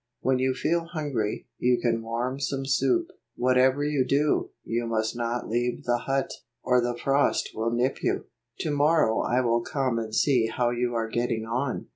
"When you feel hungry, you can warm some soup. Whatever you do, you must not leave the hut, or the frost will nip you. To morrow I will come and see how you are getting on."